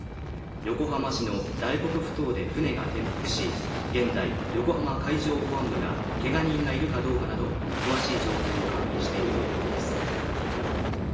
横浜市の大黒ふ頭で船が転覆し、現在横浜海上保安部がけが人がいるかどうかなど詳しい状況を確認しているということです。